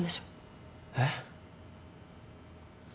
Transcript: えっ？